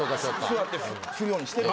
座ってするようにしてて。